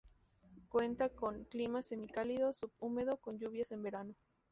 Cuenta con: clima semicálido, subhúmedo con lluvias en verano.